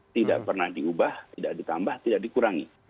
tidak pernah diubah tidak ditambah tidak dikurangi